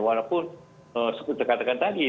walaupun seperti yang terkatakan tadi